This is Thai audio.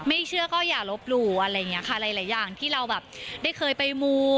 ไม่เชื่อก็อย่าลบหลู่อะไรอย่างนี้ค่ะหลายอย่างที่เราแบบได้เคยไปมู